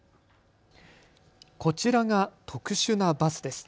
こちらが特殊なバスです。